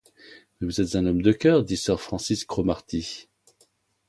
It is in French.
Mais vous êtes un homme de cœur! dit sir Francis Cromarty.